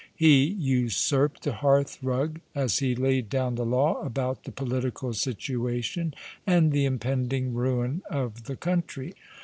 He usurped the hearthrug, as he laid down the law about the political situation and the impending ruin of the country.